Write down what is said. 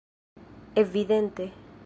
evidente